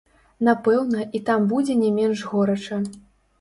Напэўна, і там будзе не менш горача.